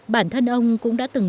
bản thân ông cũng đã từng